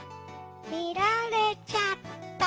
みられちゃった。